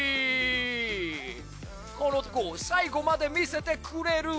この男最後まで魅せてくれる。